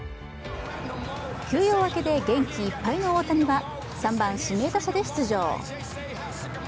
休養明けで元気いっぱいの大谷は３番・指名打者で出場。